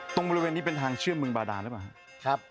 ตรงบริเวณนี้เป็นทางเชื่อมเมืองบาดานหรือเปล่าครับ